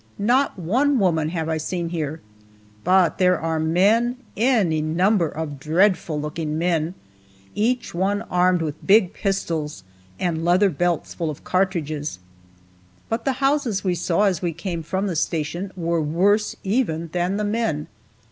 Not one woman have I seen here, but there are men any number of dreadful looking men each one armed with big pistols, and leather belts full of cartridges. But the houses we saw as we came from the station were worse even than the men.